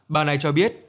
bà này cho biết